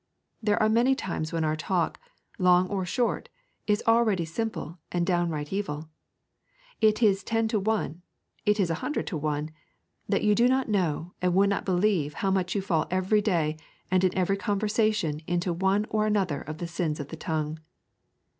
There are many times when our talk, long or short, is already simple and downright evil. It is ten to one, it is a hundred to one, that you do not know and would not believe how much you fall every day and in every conversation into one or other of the sins of the tongue.